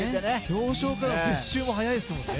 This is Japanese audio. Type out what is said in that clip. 表彰から撤収も早いですよね。